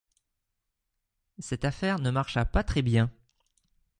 Cette affaire ne marcha pas très bien.